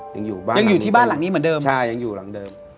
ยังอยู่ที่บ้านหลังนี้เหมือนเดิม